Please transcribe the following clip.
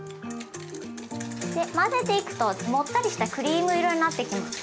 で混ぜていくともったりしたクリーム色になってきます。